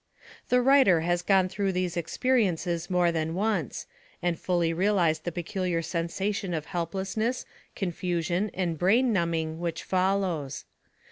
The writer has gone through these experiences more than once, and fully realised the peculiar sensation of helplessness, confusion, and brain numbing which follows.